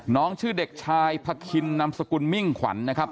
น้องชื่อเด็กชายพะคินนามสกุลมิ่งขวัญนะครับ